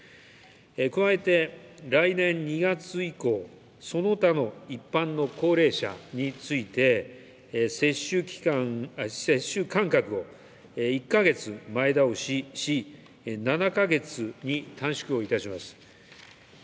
加えて、来年２月以降、その他の一般の高齢者について、接種間隔を１か月前倒しし、７か月に短縮をいたします。